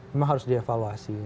memang harus dievaluasi